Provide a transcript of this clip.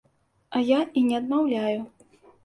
А я і не адмаўляю.